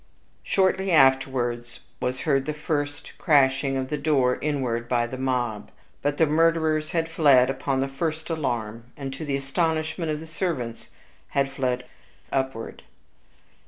Shortly afterwards was heard the first crashing of the door inward by the mob; but the murderers had fled upon the first alarm, and, to the astonishment of the servants, had fled upward.